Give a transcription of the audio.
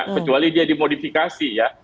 kecuali dia dimodifikasi ya